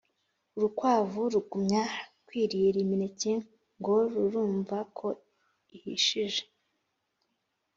urukwavu Rugumya kwirira imineke ngo rurumva ko ihishije